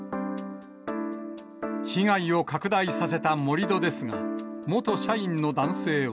被害を拡大させた盛り土ですが、元社員の男性は。